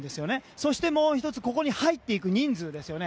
そしてもう１つここに入っていく人数ですよね。